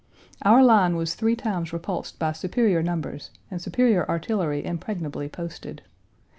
Our line was three times repulsed by superior numbers and superior artillery impregnably posted.